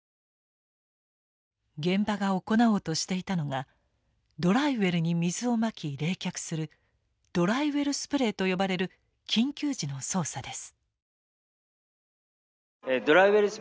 現場が行おうとしていたのがドライウェルに水をまき冷却するドライウェルスプレイと呼ばれる緊急時の操作です。